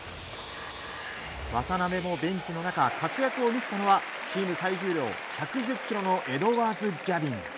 渡邊もベンチの中活躍を見せたのはチーム最重量１１０ｋｇのエドワーズ・ギャビン。